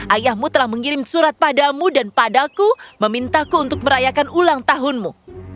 ayahmu telah mengirim surat padamu dan padaku memintaku untuk merayakan ulang tahunmu